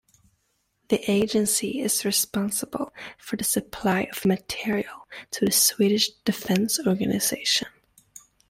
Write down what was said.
The agency is responsible for the supply of materiel to the Swedish defence organisation.